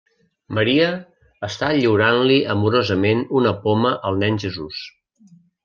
Maria està lliurant-li amorosament una poma al Nen Jesús.